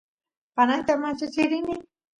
panayta manchachiy rini